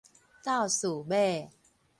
鬥序碼